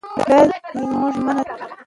دا زموږ ژمنه ده.